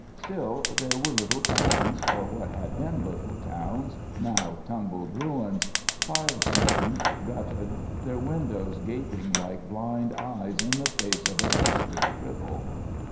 Still there were little towns or what had been little towns, now tumbled ruins fire smitten, gutted, their windows gaping like blind eyes in the face of a twisted cripple.